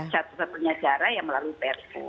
satu satunya cara yang melalui perpu